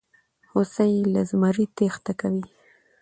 هوسۍ له زمري تېښته کوي.